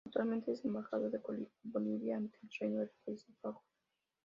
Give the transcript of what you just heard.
Actualmente es Embajador de Bolivia ante el Reino de los Países Bajos.